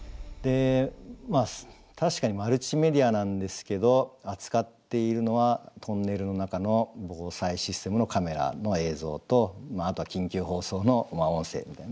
まあ確かにマルチメディアなんですけど扱っているのはトンネルの中の防災システムのカメラの映像とあとは緊急放送の音声みたいな。